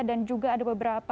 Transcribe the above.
dan juga ada beberapa